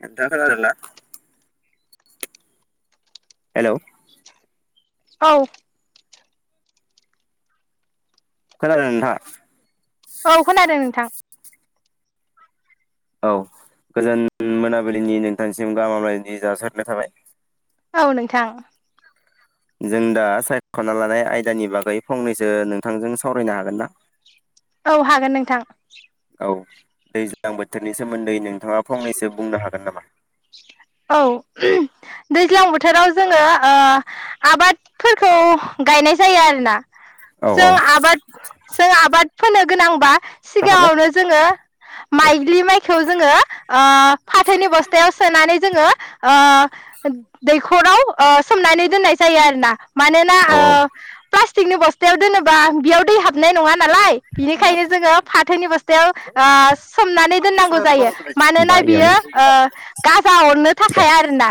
नोंथाङा खोनादोंना? हेलौ औ खोनादों नोंथाङा? औ खोनादों नोंथां औ गोजोन मोनाबिलिनि नोंथांनिसिम गाहाम हामलायनाय दि जासिहरनाय थाबाय। औ नोंथां जों दा सायखना लानाय आयदानि बागै फंनैसो नोंथांजों सावरायनो हागोन ना? औ हागोन नोंथां। औ दैज्लां बोथोरनि सोमोन्दै नोंथाङा फंनैसो बुंनो हागोन नामा? औ दैज्लां बो बोथोराव जोङो ओ आबादफोरखौ गायनाय जायो आरोना औ जों औ आबाद सो आबाद फोनो गोनांबा जाखाबाय सिगाङावनो जोङो दे माइज्लि माइखौ जोङो ओ फाथोनि बस्थायाव सोनानै जोङो ओ दैखराव सोमनानै दोन्नाय जायो आरोना। मानोना औ ओ औ प्लास थिगनि बस्थायाव दोनोबा बेयाव दै हाबनाय नङा नालाय बिनिखायनो जोङो फाथोनि बस्थायाव ओ सोमनानै दोननांगौ जायो मानोना बायोआनो बियो गा जा अरनो दे थाखाय आरोना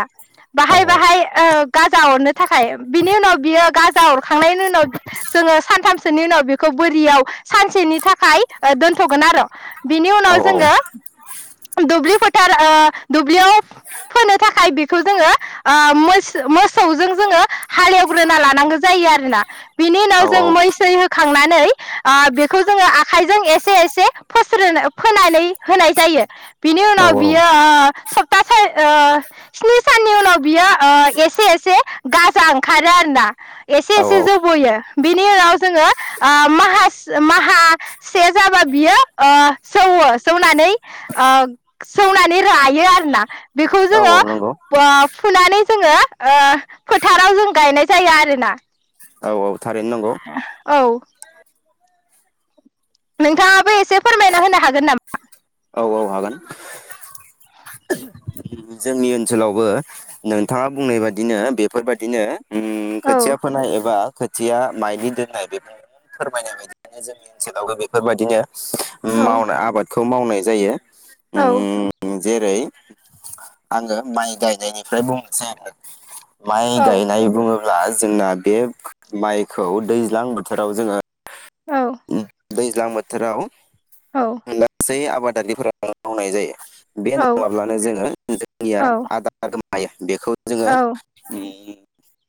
औ बाहाय बाहाय ओ जा अरनो थाखाय बिनि उनाव बियो गाजा अरखांनायनि उनाव जोङो सान्थामसोनि उनाव बेखौ बोरियाव सानसेनि थाखाय खाय दोन्थ'गोन आर बिनि उनाव औ औ जोङो दुब्लि फोथार ओ दुब्लियाव फोनो थाखाय बेखौ जोङो ओ मोसौ-मोसौजों जोङो हालेवग्रोना लानांगौ जायो आरोना बिनि औ उनाव जों मै सै होखांनानै नै ओ बेखौ जोङो आखायजों एसे एसे फोस्रोनो फोनानै होनाय जायो। बिनि उनाव बियो ओ सप्तासे ओ स्नि साननि उनाव बियो एसे एसे गाजा ओंखारो आरोना एसे औ एसे जौबोयो। बिनि उनाव जोङो ओ माहा-माहासे जाबा बियो ओ जौवो जौनानै ओ जौनानै रायो आरो ना बेखौ औ जोङो औ नंगौ [unintelligible] फुनानै जोङो ओ फोथाराव जों गायनाय जायो आरोना। औ औ। थारैनो नंगौ औ। नोंथाङाबो एसे फोरमायना होनो हागोन नामा? औ औ हागोन। जोंनि ओन्सोलावबो नोंथाङा बुंनाय बादिनो बेफोरबादिनो उम औ खोथिया फोनाय एबा खोथिया माइलि दोन्नाय बेफोर फोरमायनाय बायदियनो जोंनि ओन्सोलावबो बेफोरबायदिनो मावनो औ आबाद खौ मावनाय जायो ओम जेरै आङो माइ गायनायनिफ्राय बुंनोसैआरो माइ औ गायनाय बुङो बुङोब्ला जोंना बे माइखौ दैज्लां बोथोराव जोङो औ ओम दैज दैज्लां बोथोराव औ लागसै आबाद दादिफोरा मावनाय जायो बे औ नङाब्लानो जोङो जोंनिया आदार [unintelligible] औ जोङो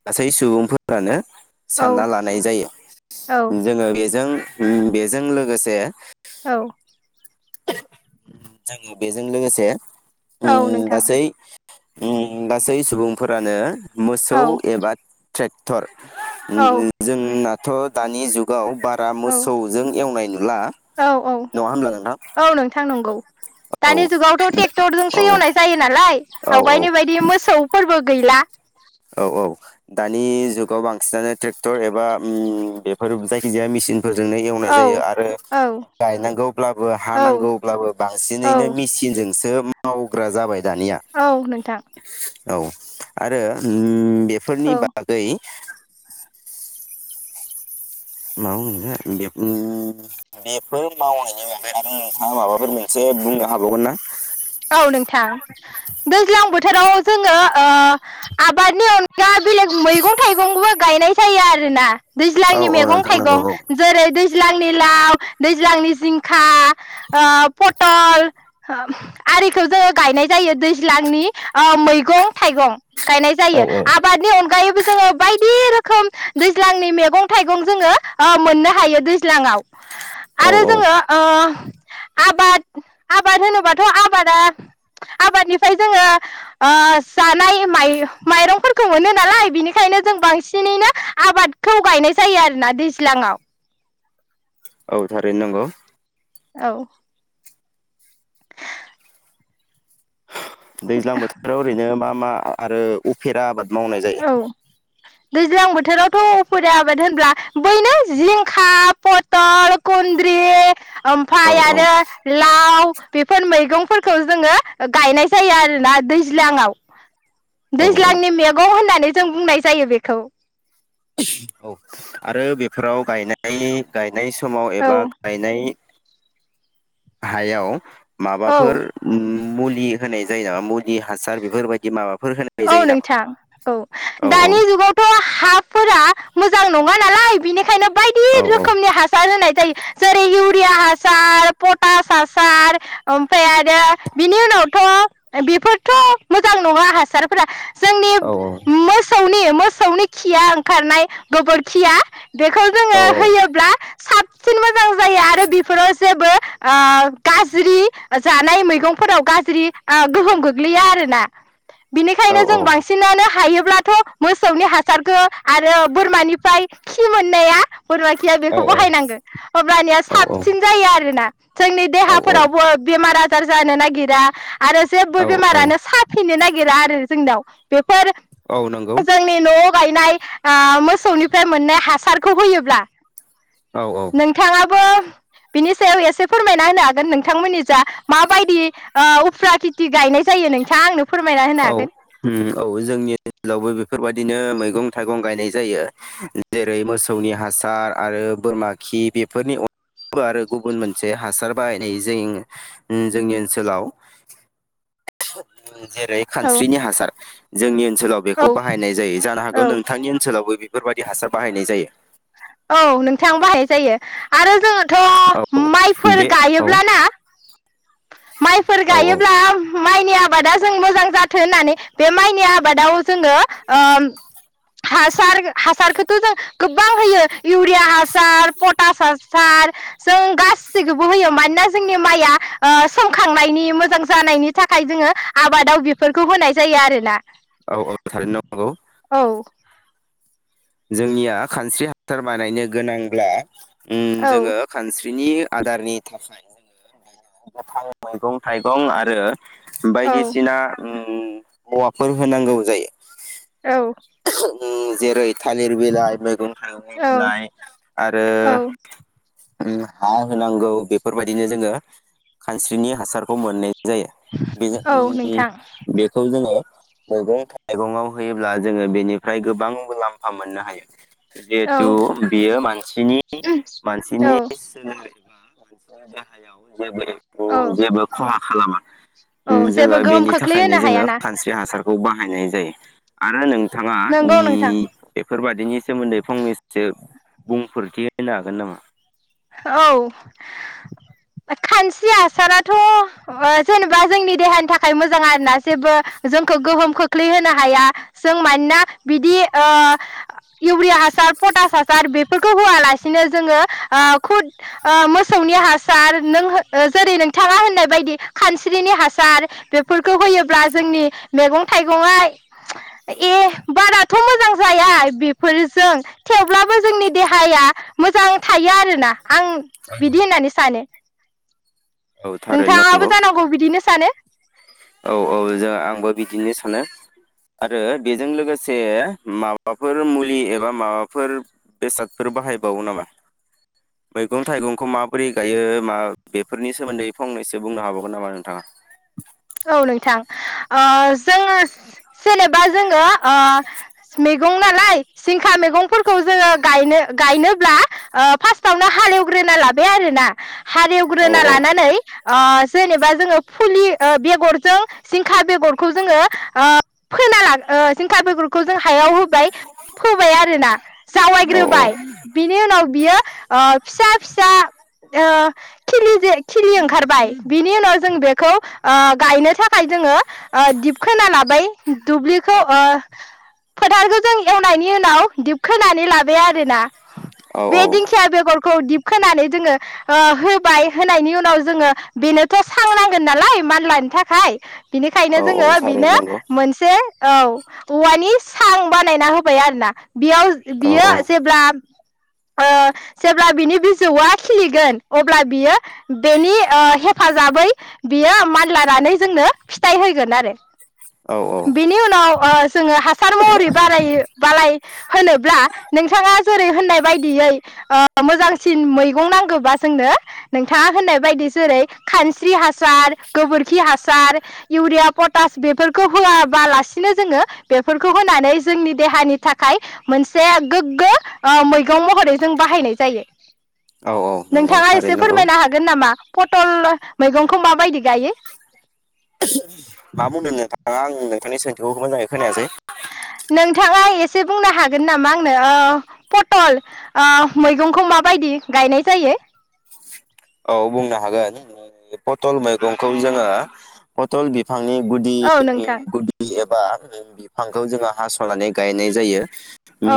गासै सुबुंफोरानो औ सानना लानाय जायो औ जोङो बेजों ओम बेजों लोगोसे औ जोङो बेजों लोगोसे औ नोंथां ओम गासै सुबुंफोरानो मोसौ औ एबा ट्रेक्टर ओम औ जोंना थ दानि जुगाव बारा औ मोसौजों एवनाय नु ला औ औ नोंथां नंगौ औ दानि जुगावथ ट्रेक्टरजोंसो एवनाय जायो नालाय औ आवगायनि बायदि मोसौफोरबो गैला औ औ दानि जुगाव बांसिनानो ट्रेक्टर एबा ओम बेफोर जायखिजाया मेसिन फोरजोंनो एवनाय औ जायो आरो औ गायनांगौब्लाबो औ हानांगौब्लाबो औ बांसिनैनो मेसिनजोंसो म मावग्रा जाबाय दानिया औ नोंथां औ आरो ओम बेफोरनि औ बागै मावनो बेब-बेबफोर मावनायनि अनगायोबो नोंथांङा माबाफोर बुंनो हाबावगोनन ना? औ नोंथां दैज्लां बोथोराव जोङो ओ आबादनि अनगा बेलेग मैगं थाइगंबो गायनाय जायो आरोना औ दैज्लांनि औ मेगं नोंथां नंगौ थाइगं जेरै दै ज्लांनि लाव दैज्लांनि जिंखा ओ पटल आरिखौ जोङो गायनाय जायो दैज्लांनि ओ मैगं थाइगं गायनाय औ जायो। आबादनि अनगायैबो जोङो बायदि रोखोम दैज्लांनि मैगं थाइगं जोङो ओ मोननो हायो दैज्लांआव। औ आरो औ जोङो ओ आबाद आबाद होनोबाथ‌' आब बादा आबादनिफ्राय जोङो ओ जानाय माइ-माइरंफोरखौ मोनो नालाय बिनिखायनो जों बांसिनैनो आबादखौ गायनाय जायो आरोना दैज्लाङाव। औ थारैनो नोंगौ। औ दैज्लां बोथोराव ओरैनो मा मा आरो उफेरा आबाद मावनाय जायो औ दैज्लां बोथोरावथ' उफेरा आबाद होनब्ला बैनो जिंखा, पतल, कुनद्रि औ ओमफाय औ आरो लाव बेफोर मैगंफोरखौ जोङो गायनाय जायो आरोना दैज्लांआव। औ औ दैज्लांनि मेग होननानै जों बुंनाय जायो बेखौ। औ आरो बेफोराव गायनाय गाय नाय समाव औ एबा गायनाय हायाव औ माबाफोर उम मुलि होनाय जायो नामा मुलि हासार बेफोरबायदि माबा औ नोंथां औ औ औ दानि जुगावथ' हाफोरा मोजां नङा नालाय बिनिखायनो बायदि औ रोखोमनि हासार होनाय जायो जेरै इउ या हासार, पटास हासार ओमफाय आरो बिनि उनावथ' बिफोरथ' मोजां नङा हासार [unintelligible] जोंनि औ मोसौनि मोसौनि खिया ओंखारनाय गोबोरखिया बेखौ औ जोङो होयोब्ला साबसिन मोजां जायो आरो बेफोराव जेबो ओ गाज्रि जानाय मैगंफोराव गाज्रि ओ गोहोम गोग्लैया आरोना औ बिनिखायनो जों औ बांसिनानो हायो ब्लाथ' मोसौनि हासारखो आरो बोरमानिफ्राय खि मोननाया बोरमा खिया औ बेखौ बहायनांगो अब्लानिया औ साबसिन जायो आरोना जोंनि औ देहाफोरावबो बेमारा जार जानो नागिरा आरो जेबो औ बेमारानो साफिनो नागि गिरा आरो जोनाव बे औ नोंगौ। गायनाय ओ मोसौनिफ्राय मोननाय हासारखौ होयोब्ला औ औ नोंथाङाबो बिनि सायाव एसे फोरमायना होनो हागोन नोंथांमोननि जा माबायदि ओ उफ्रा खेथि गायनाय जायो नोंथाङा आंनो फोरमायना होनो औ हागोन उम औ जोंनि [unintelligible] फोरबायदिनो मैगं थाइगं गायनाय जायो जेरै मोसौनि हासार आरो बोरमा खि बेफोरनि [unintelligible] आरो गुबुन मोनसे हासार बाहायनाय जों जोंनि ओनसोलाव। जेरै औ खानस्रिनि हासार जोंनि ओ ओनसोलाव बेखौ औ बाहायनाय जायो जानो औ हागौ नोंथांनि ओनसोलावबो बि बेफोरबायदि हासार बाहायनाय जायो औ नोंथां बाहाय जायो आरो जोङोथ औ माइफोर बे औ गायोब्लाना माइफोर औ गायोब्ला [unintelligible] माइनि आबादा जों मोजां जाथो होननानै बे माइनि आबादाव जोङो ओम हासार हासारखोथ जों गोबां होयो इउरिया हासार पटास हासार जों गासिखौबो होयो मानोना जोंनि माइया ओ सोमखांनायनि मोजां जानायनि थाखाय जोङो आबादाव बेफोरखौ होनाय जायो आरोना औ औ थारैनो नंगौ औ जोंनिया खानस्रि हासार बानायनो गोनांब्ला उम औ जोङो खानस्रि बिनि आदारनि थाखाय [inaudible] गोथां मैगं थाइगं आरो औ बायदिसिना उम औवाफोर होनांगौ जायो औ ओं जेरै थालिर बिलाइ मैगं थाइगंनि औ बिलाइ आरो औ आरो हा होनांगौ बेफोरबायदिनो जोङो खानस्रिनि हासारखौ मोननाय जायो औ नोंथां [unintelligible] बेखौ जोङो मैगं थाइगङाव होयोब्ला जोङो बेनिफ्राय गोबां मुलाम्फा मोननो हायो औ जिहेतु बेयो मानसिनि मानसिनि औ सोमोन्दै बा मानसिनि देहायाव जेबो ए औ उम जेबो खहा खालामा औ ओं जेबो जोङो गोहोम बेनि थाखायनो खोख्लैहोनो जोङो हायाना खानस्रि हासार खौ बाहायनाय जायो। आरो नों नोंथाङा नंगौ नोंथां उम बेफोरबायदिनि सोमोन्दै फंनैसो बुंफोरथि होनो हागोन नामा? औ खानस्रि हासाराथ ओ जेनेबा जोंनि देहानि थाखाय मोजां आरोना जेबो जोंखौ गोहोम खोख्लैहोनो हाया जों मानोना बिदि ओ इउरियास हासार पटास हासार बेफोरखौ होआलासिनो जोङो ओ खुद ओ मोसौनि हासार नों हो जेरै नोंथाङा होननाय बायदि खानस्रिनि हासार बेफोरखौ होयोब्ला जोंनि मैगं थाइगंया ए बाराथ मोजां जाया बेफोरजों थेवब्लाबो जोंनि देहाया मोजां थायो आरोना आं बिदि होननानै सानो औ थारैनो नंगौ नोंथाङाबो जानांगौ बिदिनो सानो औ औ जा आंबो बिदिनो सानो आरो बेजों लोगोसे माबाफोर मुलि एबा माबाफोर बेसादफोर बाहायबावो नामा मैगं थाइगंखौ माबोरै गायो मा बेफोरनि सोमोन्दै फंनैसो बुंनो हाबावगोन नामा नोंथाङा? औ नोंथां ओ जोङो जेनेबा जोङो अ मैगंनालाय जिंखा मैगंफोरखौ जोङो गायनो गायनोब्ला ओ फास्टआवनो हालेवग्रोना लाबाय आरोना औ हालेवग्रोना औ लानानै अ जेनेबा जोङो फुलि ओ बेगरजों जिंखा बेगरखौ जोङो ओ फोना लागो सिंखा बेगरखौ जों हायाव होबाय फोबाय आरोना औ जावायग्रोबाय बिनि उनाव बियो ओ फिसा फिसा ओ खिलिजे खिलि ओंखारबाय बिनि उनाव जों बेखौ ओ गायनो थाखाय जोङो ओ दिबखोना लाबाय दुब्लिखौ ओ फोथारखौ जों एवनायनि उनाव दिबखोनानै लाबाय आरोना औ औ बेेदिंखिया बेगर दिबखोनानै जोङो ओ होबाय होनायनि उनाव जोङो बेनोथ सांनांगोन नालाय मा लायनो थाखाय बिनिखायनो औ औ जोङो थारैनो बेनो नंगौ मोनसे औ औवानि सां बानायना होबाय आरो ना बेयाव औ बियो जेब्ला ओ जेब्ला बिनि बिजौआ खिलिगोन अब्ला बियो बेनि ओ हेफाजाबै बियो मान लानानै जोंनो फिथाइ होगोन आरो औ औ बेनि उनाव ओ जोङो हासार महरै बारायो बालाय होनोब्ला नोंथाङा जेरै होननाय बायदियै मोजांसिन मैगं नांगौबा जोंनो नोंथाङा होननाय बायदि जेरै खानस्रि हासार गोबोरखि हासार इउरिया पटास बेफोरखौ होआबालासिनो जोङो बेफोरखौ होनानै जोंनि देहानि थाखाय मोनसे गोग्गो मैगं महरै जों बाहायनाय जायो। औ औ नंगौ नोंथाङा एसे थारैनो नंगौ फोरमायनो हागोन नामा? पटल मैगंखौ माबायदि गायो? मा बुंदों नोंथाङा आं थांनि सोंथिखौ मोजाङै खोनायासै नोंथाङा एसे बुंनो हागोन नामा आंनो ओ पटल ओ मैगंखौ माबायदि गायनाय जायो? औ बुंनो हागोन पटल मैगंखौ जोङो पटल बि फांनि औ गुदिनि नोंथां गुदि ए बा बि-बिफांखौ जोङो हासनानै गायनाय जायो। उम औ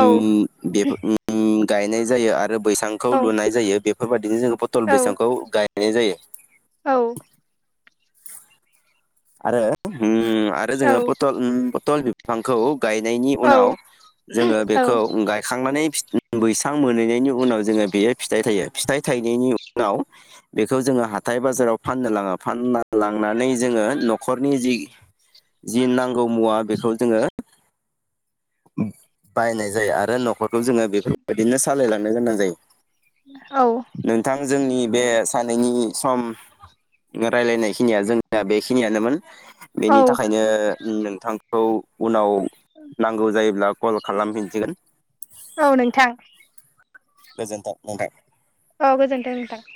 बेफो उम गायनाय जायो आरो बैसांखौ लुनाय जायो बेफोरबादिनो जोङो पटल औ बैसां खौ गायनाय जायो। औ आरो होम आरो जोङो पटल उम पटल बि फांखौ गायनायनि औ उनाव जोङो औ बेखौ गायखांनानै फि बैसां मोनहैनायनि उनाव जोङो बेयो फिथाइ थायो फिथाइ थायनायनि उनाव बेखौ जोङो हाथाय बाजाराव फाननो लाङो फानना लांनानै जोङो नखरनि जि जि नांगौ मुवा बेखौ जोङो बायनाय जायो आरो नखरखौ जोङो बे बेफोरबादिनो सालायलांनो गोनां जायो औ नोंथां जोंनि बे सानैनि सम रायलायनायखिनिया जोंनिया बे खिनियानोमोन औ बेनि थाखायनो नोंथां खौ उनाव नांगौ जायोब्ला कल खालामफिनसिगोन औ नोंथां गोजोनथों नोंथां। औ गोजोनथों नोंथां।